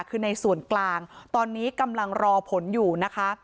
คือในส่วนกลางตอนนี้กำลังรอผลอยู่นะคะ